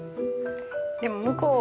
でも向こう